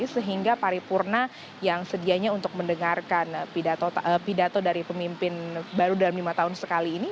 sehingga paripurna yang sedianya untuk mendengarkan pidato dari pemimpin baru dalam lima tahun sekali ini